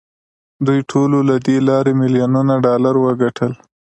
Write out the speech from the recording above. دوی ټولو له دې لارې میلیونونه ډالر وګټل